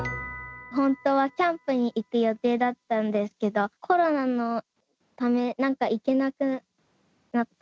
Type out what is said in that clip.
本当はキャンプに行く予定だったんですけど、コロナのため、なんか行けなくなった。